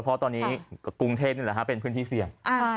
เพราะตอนนี้กรุงเทพนี่แหละฮะเป็นพื้นที่เสี่ยง